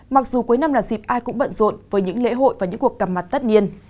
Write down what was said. mặc dù cuối năm là dịp ai cũng bận rộn với những lễ hội và những cuộc gặp mặt tất niên